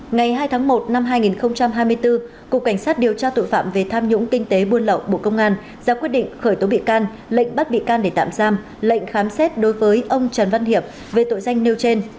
ngày hai tháng một năm hai nghìn hai mươi bốn cục cảnh sát điều tra tội phạm về tham nhũng kinh tế buôn lậu bộ công an ra quyết định khởi tố bị can lệnh bắt bị can để tạm giam lệnh khám xét đối với ông trần văn hiệp về tội danh nêu trên